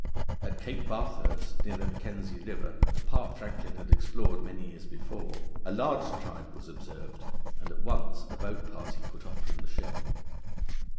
At Cape Bathurst, near the Mackenzie River, a part Franklin had explored many years before, a large tribe was observed, and at once a boat party put off from the ship.